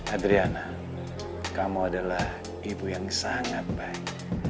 adriana kamu adalah ibu yang sangat baik